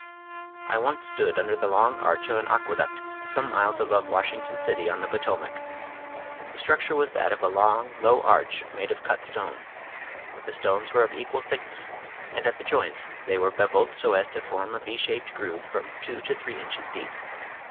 I once stood under the long arch of an aque duct some miles above Washington City on the Potomac. The structure was that of a long, low arch made of cut stone. The stones were of equal thickness, and at the joints they were beveled so as to form a V shaped groove from two to three inches deep.